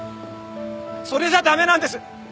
それじゃ駄目なんです！